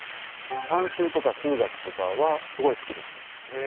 算数とか数学とかはすごい好きでした。